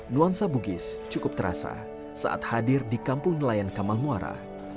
nuansa bugis cukup terasa saat hadir di kampung nelayan kamal muara